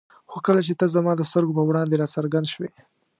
خو کله چې ته زما د سترګو په وړاندې را څرګند شوې.